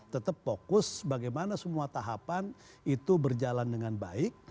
tetap fokus bagaimana semua tahapan itu berjalan dengan baik